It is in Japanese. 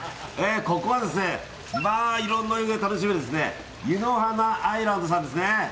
ここはいろんな湯が楽しめる湯の華アイランドさんですね。